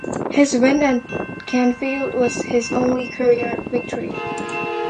His win at Canfield was his only career victory.